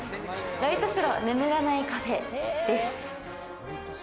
ロイトシロ、眠らないカフェです。